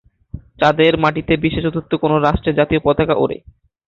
চাঁদের মাটিতে বিশ্বের চতুর্থ কোনো রাষ্ট্রের জাতীয় পতাকা ওড়ে।